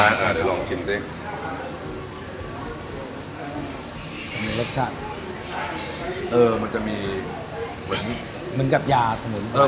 แรคชาติเออมันจะมีเหมือนเหมือนกับยาอัสวินไทย